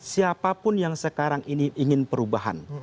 siapapun yang sekarang ini ingin perubahan